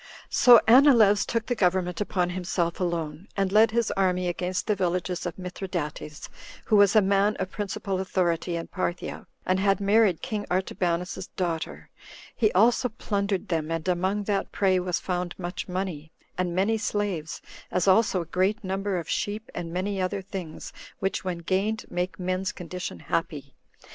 6. So Anileus took the government upon himself alone, and led his army against the villages of Mithridates, who was a man of principal authority in Parthia, and had married king Artabanus's daughter; he also plundered them, and among that prey was found much money, and many slaves, as also a great number of sheep, and many other things, which, when gained, make men's condition happy.